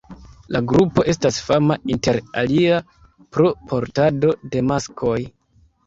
La grupo estas fama inter alia pro portado de maskoj.